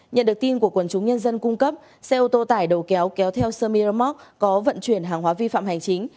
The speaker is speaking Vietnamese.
nhận được tin của quần chúng nhân dân cung cấp xe ô tô tải đầu kéo kéo theo sơ miramok có vận chuyển hàng hóa vi phạm hành chính